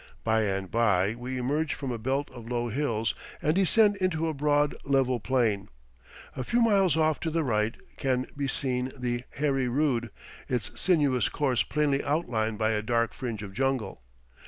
By and by we emerge from a belt of low hills, and descend into a broad, level plain. A few miles off to the right can be seen the Heri Rood, its sinuous course plainly outlined by a dark fringe of jungle.